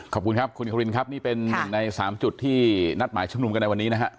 ขอบคุณครับคุณควินครับนี่เป็นหนึ่งใน๓จุดที่นัดหมายชุมนุมกันในวันนี้นะฮะ